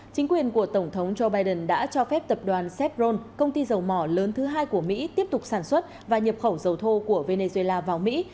chính quyền của tổng thống joe biden đã cho phép tập đoàn sepron công ty dầu mỏ lớn thứ hai của mỹ tiếp tục sản xuất và nhập khẩu dầu thô của venezuela vào mỹ